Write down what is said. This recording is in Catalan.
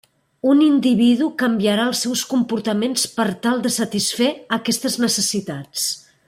Un individu canviarà els seus comportaments per tal de satisfer aquestes necessitats.